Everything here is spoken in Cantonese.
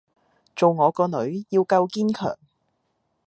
做我個女要夠堅強